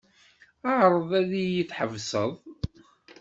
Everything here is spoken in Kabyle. Ɛreḍ ad iyi-tḥebsed.